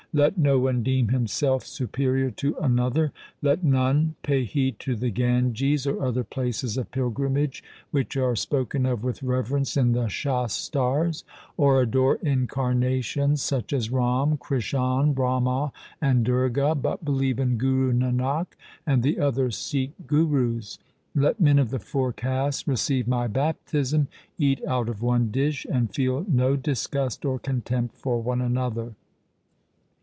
Let no one deem himself superior to another. Let none 94 THE SIKH RELIGION pay heed to the Ganges, and other places of pil grimage which are spoken of with reverence in the Shastars, or adore incarnations such as Ram, Krishan, Brahma, and Durga, but believe in Guru Nanak and the other Sikh Gurus. Let men of the four castes receive my baptism, eat out of one dish, and feel no disgust or contempt for one another.'